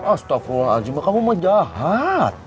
astaghfirullahaladzim kamu mah jahat